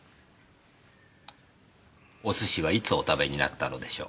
お寿司はいつお食べになったのでしょう？